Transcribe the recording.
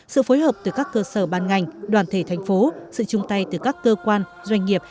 sự phối hợp từ các cơ sở ban ngành đoàn thể thành phố sự chung tay từ các cơ quan doanh nghiệp